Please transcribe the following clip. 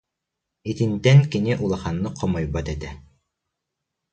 Итинтэн кини улаханнык хомойбот этэ